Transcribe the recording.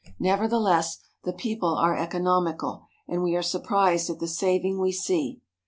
Nevertheless, the people are economical, and we are surprised at the saving we see.